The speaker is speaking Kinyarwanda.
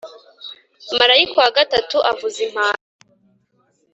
Marayika wa gatatu avuza impanda